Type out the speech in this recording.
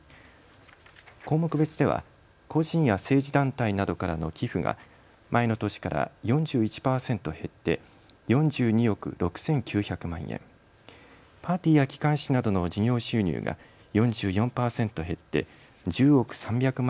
項目別では個人や政治団体などからの寄付が前の年から４１％減って４２億６９００万円、パーティーや機関誌などの事業収入が４４％減って１０億３００万